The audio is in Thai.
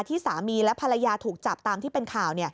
ที่สามีและภรรยาถูกจับตามที่เป็นข่าว